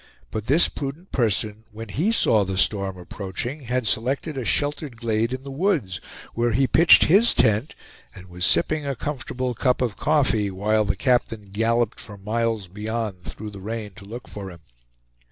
But this prudent person, when he saw the storm approaching, had selected a sheltered glade in the woods, where he pitched his tent, and was sipping a comfortable cup of coffee, while the captain galloped for miles beyond through the rain to look for him.